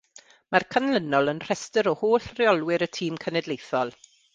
Mae'r canlynol yn rhestr o holl reolwyr y tîm cenedlaethol.